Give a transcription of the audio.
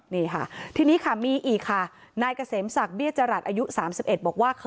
นี่ค่ะทีนี้ค่ะมีอีกค่ะนายเกษมศักดิ์เบี้ยจรัสอายุ๓๑บอกว่า